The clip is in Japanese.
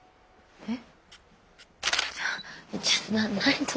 えっ。